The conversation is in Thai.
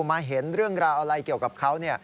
มาเห็นเรื่องราวอะไรเกี่ยวกับเขา